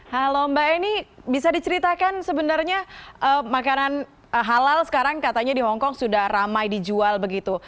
halo mbak eni bisa diceritakan sebenarnya makanan halal sekarang katanya di hongkong sudah ramai dijual begitu